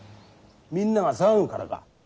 みんなが騒ぐからか。